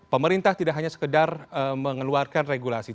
pemerintah tidak hanya sekedar mengeluarkan regulasi